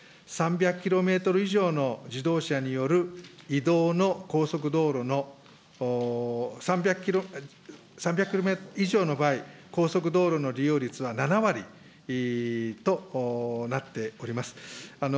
３００キロメートル以上の自動車による移動の高速道路の３００キロ以上の場合、高速道路の利用率は７割となっております。